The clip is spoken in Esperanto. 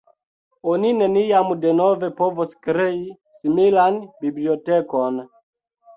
Oni neniam denove povos krei similan bibliotekon.